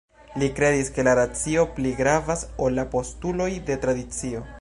Li kredis ke la racio pli gravas ol la postuloj de tradicio.